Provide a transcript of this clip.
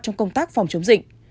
trong công tác phòng chống dịch